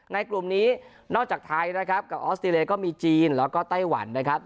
กลุ่มนี้นอกจากไทยนะครับกับออสเตรเลียก็มีจีนแล้วก็ไต้หวันนะครับ